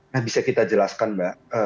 nah bisa kita jelaskan mbak